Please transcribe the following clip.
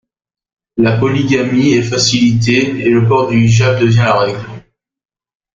La polygamie est facilitée et le port du hijab devient la règle.